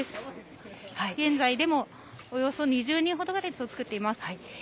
現在でもおよそ２０人ほどが列を作っています。